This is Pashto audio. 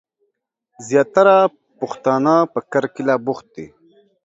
زياتره پښتنه په کرکيله بوخت دي.